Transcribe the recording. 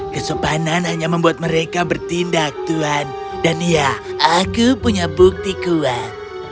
kesopanan hanya membuat mereka bertindak tuhan dan ya aku punya bukti kuat